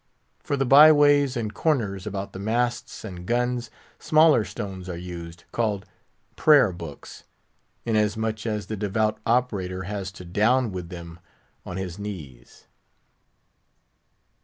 For the byways and corners about the masts and guns, smaller stones are used, called prayer books; inasmuch as the devout operator has to down with them on his knees.